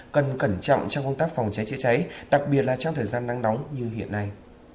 cần cẩn trọng trong công tác phòng cháy chữa cháy đặc biệt là trong thời gian nắng nóng như hiện nay